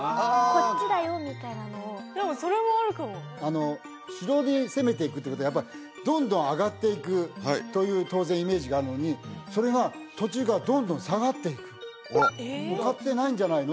こっちだよみたいなのをでもそれもあるかも城に攻めていくってことはやっぱりどんどん上がっていくという当然イメージがあるのにそれが途中からどんどん下がっていく向かってないんじゃないの？